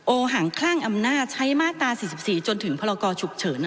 หังคลั่งอำนาจใช้มาตรา๔๔จนถึงพรกรฉุกเฉิน